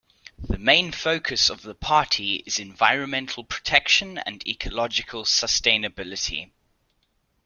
The main focus of the party is environmental protection and ecological sustainability.